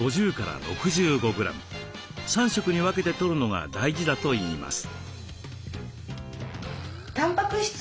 ３食に分けてとるのが大事だといいます。